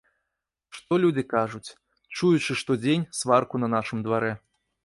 Што людзі кажуць, чуючы штодзень сварку на нашым дварэ?